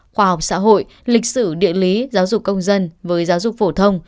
khoa học xã hội lịch sử địa lý giáo dục công dân với giáo dục phổ thông